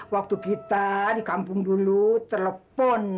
waktu kita di kampung dulu telepon